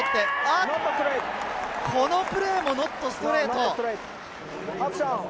このプレーもノットストレート。